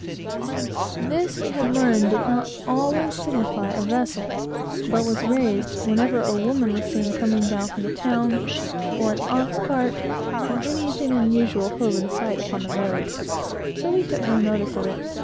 This, we had learned, did not always signify a vessel, but was raised whenever a woman was seen coming down from the town; or a squaw, or an ox cart, or anything unusual, hove in sight upon the road; so we took no notice of it.